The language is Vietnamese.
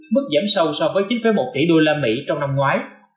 mức giảm sâu so với chín một tỷ usd trong năm ngoái